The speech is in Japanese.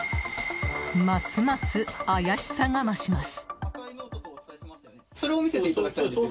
ますます怪しさが増します。